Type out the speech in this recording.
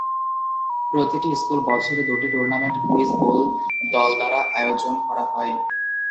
প্রতি স্কুল বছরে দুটি টুর্নামেন্ট কুইজ বোল দল দ্বারা আয়োজন করা হয়।